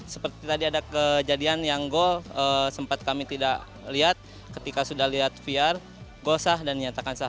seperti tadi ada kejadian yang goal sempat kami tidak lihat ketika sudah lihat var goal sah dan nyatakan sah